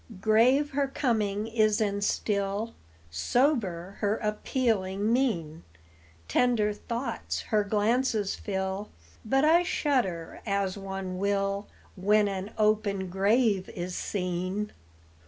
Grave her coming is and still, Sober her appealing mien, Tender thoughts her glances fill; But I shudder, as one will When an open grave is seen.